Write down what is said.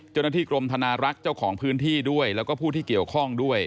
เจ้าหน้าที่กรมธนารักษ์เจ้าของพื้นที่ด้วยแล้วก็ผู้ที่เกี่ยวข้องด้วย